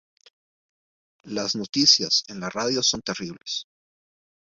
Las noticias en la radio son terribles.